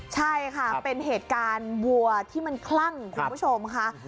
ใช่ค่ะเป็นเหตุการณ์วัวที่มันคลั่งคุณผู้ชมค่ะ